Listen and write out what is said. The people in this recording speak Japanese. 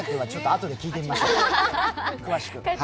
あとで詳しく聞いてみましょう。